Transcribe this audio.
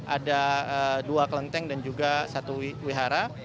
ada dua kelenteng dan juga satu wihara